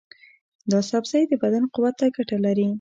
دا سبزی د بدن قوت ته ګټه لري.